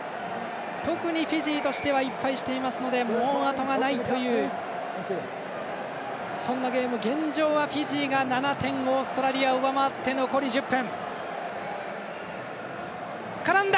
特にフィジーとしては１敗していますのでもう後がないというそんなゲーム、現状はフィジーが７点、オーストラリアを上回って残り１０分。